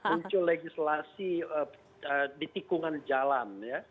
muncul legislasi di tikungan jalan